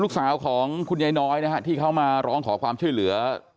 ลูกสาวของคุณใยน้อยที่เขามาร้องขอความเชื่อเหลือ